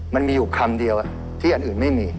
มันมีอยู่คำเดียวที่อันอื่นไม่มี